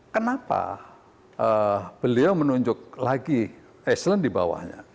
kenapa beliau menunjuk lagi eselon di bawahnya